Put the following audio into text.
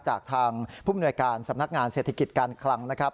จากทางผู้มนวยการสำนักงานเศรษฐกิจการคลังนะครับ